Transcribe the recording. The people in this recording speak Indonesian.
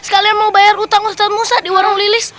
kalian mau bayar utang ustaz musa di warung lilis